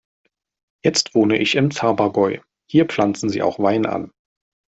Jetzt wohne ich im Zabergäu, hier pflanzen sie auch Wein an.